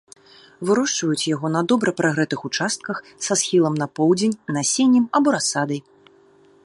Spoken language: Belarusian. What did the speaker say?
Вырошчваюць яго на добра прагрэтых участках са схілам на поўдзень насеннем або расадай.